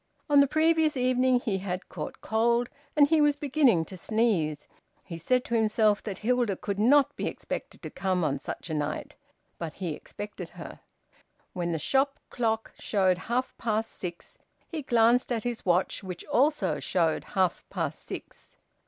On the previous evening he had caught cold, and he was beginning to sneeze. He said to himself that Hilda could not be expected to come on such a night. But he expected her. When the shop clock showed half past six, he glanced at his watch, which also showed half past six.